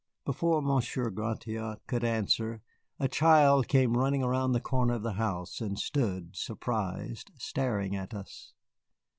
Before Monsieur Gratiot could answer, a child came running around the corner of the house and stood, surprised, staring at us.